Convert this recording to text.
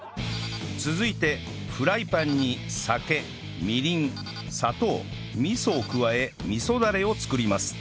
続いてフライパンに酒みりん砂糖味噌を加え味噌ダレを作ります